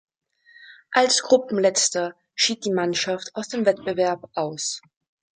Als Gruppenletzter schied die Mannschaft aus dem Wettbewerb aus.